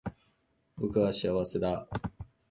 僕は幸せだ